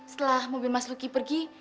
setelah mobil mas luki pergi